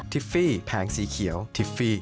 ฟี่แผงสีเขียวทิฟฟี่